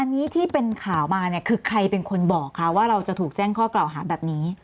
อันนี้ที่เป็นข่าวมาเนี่ยคือใครเป็นคนบอกคะว่าเราจะถูกแจ้งข้อกล่าวหาแบบนี้